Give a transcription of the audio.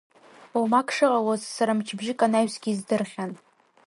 Омак шыҟалоз сара мчыбжьык анаҩсгьы издырхьан…